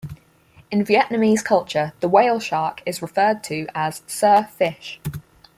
In Vietnamese culture, the whale shark is referred to as "sir fish".